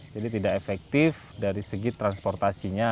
jadi tidak efektif dari segi transportasinya